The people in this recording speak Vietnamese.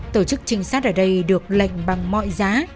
tổ chức trinh sát ở đây được lệnh bằng mọi giá